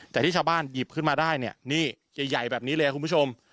แต่ที่ชาวบ้านหยิบขึ้นมาได้เนี่ยนี่ใหญ่แบบนี้เลยคุณผู้ชม